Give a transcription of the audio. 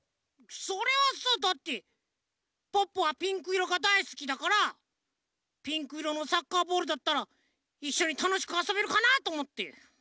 それはさだってポッポはピンクいろがだいすきだからピンクいろのサッカーボールだったらいっしょにたのしくあそべるかなとおもって。